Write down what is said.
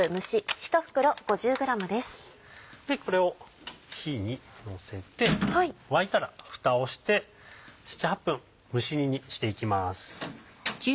これを火にのせて沸いたらフタをして７８分蒸し煮にしていきます。